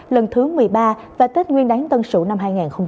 lần thứ một mươi ba và tết nguyên đáng tân sửu năm hai nghìn hai mươi một